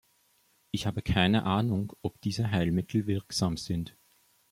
Ich habe keine Ahnung, ob diese Heilmittel wirksam sind.